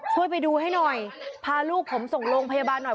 ไปดูให้หน่อยพาลูกผมส่งโรงพยาบาลหน่อย